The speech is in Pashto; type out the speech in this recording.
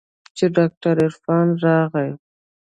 چې ډاکتر عرفان راغى.